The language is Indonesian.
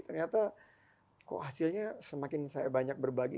ternyata kok hasilnya semakin saya banyak berbagi